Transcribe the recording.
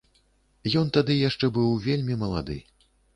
Ён тады яшчэ быў вельмі малады.